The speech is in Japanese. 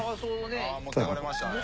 持っていかれましたね。